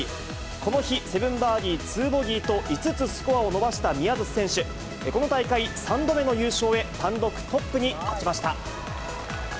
この日、セブンバーディー、ツーボギーと５つスコアを伸ばした宮里選手、この大会３度目の優勝へ、単独トップに立ちました。